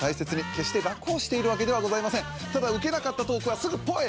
決して楽をしているわけではございません。